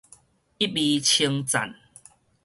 一味稱讚